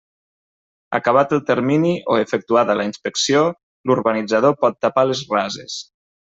Acabat el termini o efectuada la inspecció, l'urbanitzador pot tapar les rases.